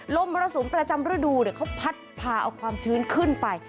มรสุมประจำฤดูเขาพัดพาเอาความชื้นขึ้นไป